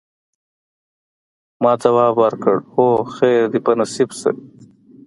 ما ځواب ورکړ: هو، خیر دي په نصیب شه.